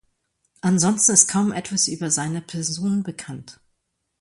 Ansonsten ist kaum etwas über seine Person bekannt.